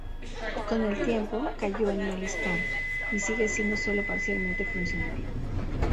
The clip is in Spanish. Con el tiempo, cayó en mal estado, y sigue siendo solo parcialmente funcional.